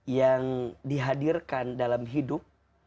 yang dihadirkan dalam hidup